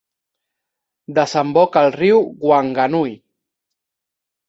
Desemboca al riu Wanganui.